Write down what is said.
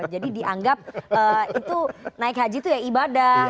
jadi dianggap itu naik haji itu ibadah